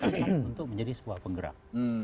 untuk menjadi sebuah penggerak